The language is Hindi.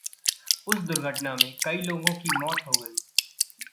उस दुर्घटना में कई लोगों की मौत हो गयी।